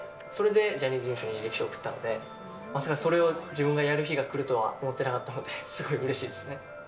それでジャニーズ事務所に履歴書送ったんで、まさかそれを自分がやる日が来るとは思ってなかったので、すごいうれしいですね。